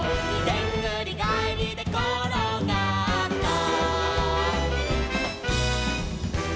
「でんぐりがえりでころがった」